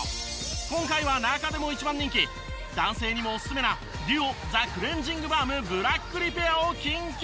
今回は中でも一番人気男性にもオススメなＤＵＯザクレンジングバームブラックリペアを緊急確保。